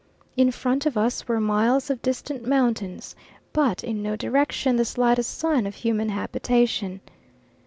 In front of us were miles of distant mountains, but in no direction the slightest sign of human habitation.